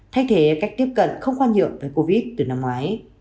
thay thế cách tiếp cận không khoan nhượng với covid từ năm ngoái